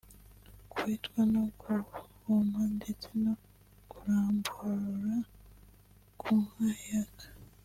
guhitwa no guhuma ndetse no kuramburura ku nka ihaka